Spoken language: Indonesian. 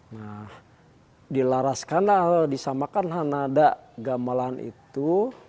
nah dilaraskan atau disamakan nada gamelan itu